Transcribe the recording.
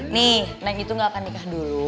nih neng itu gak akan nikah dulu